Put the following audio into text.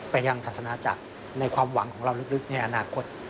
ยังศาสนาจักรในความหวังของเราลึกในอนาคต